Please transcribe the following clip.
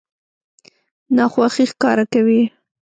ناخوښي ښکاره کوي.